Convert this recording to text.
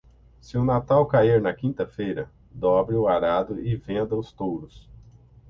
Se o Natal cair na quinta-feira, dobre o arado e venda os touros.